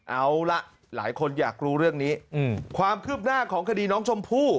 เอาล่ะหลายคนอยากรู้เรื่องนี้ความคืบหน้าของคดีน้องชมพู่